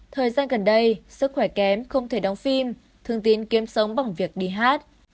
thời gian gần đây sức khỏe kém không thể đóng phim thường tín kiếm sống bằng việc đi hát